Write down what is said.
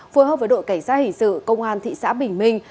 phối hợp với đội cảnh sát hình sự công an thị xã bình minh